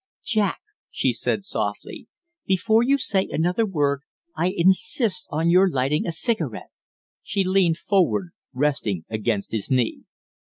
"Jack," she said, softly, "before you say another word I insist on your lighting a cigarette." She leaned forward. resting against his knee.